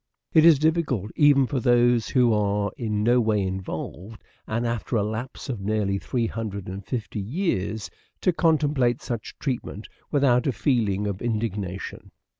It is difficult, even for those who are in no way involved, and after a lapse of nearly three hundred and fifty years, to contemplate such treatment without a feeling of indignation.